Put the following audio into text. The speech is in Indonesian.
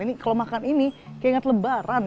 ini kalau makan ini kayak ingat lebaran